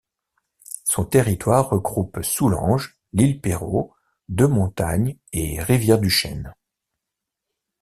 Son territoire regroupe Soulanges, l'Île-Perrot, Deux-Montagnes et Rivière-du-Chêne.